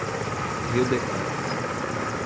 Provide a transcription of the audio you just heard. Rio de Contas